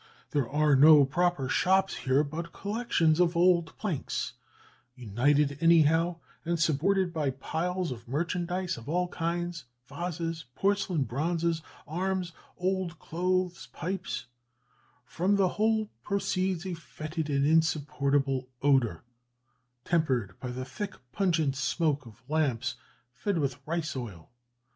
There are no proper shops here, but collections of old planks, united anyhow, and supported by piles of merchandise of all kinds, vases, porcelain, bronzes, arms, old clothes, pipes; from the whole proceeds a foetid and insupportable odour, tempered by the thick pungent smoke of lamps fed with rice oil.